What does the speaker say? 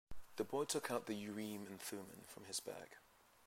The boy took out Urim and Thummim from his bag.